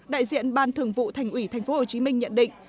đại diện ban thường vụ thành ủy thành phố hồ chí minh nhận định